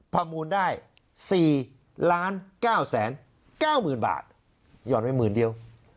ประมูลได้๔๙๙๐๐๐บาทหย่อนไว้หมื่นเดียว